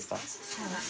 そうです。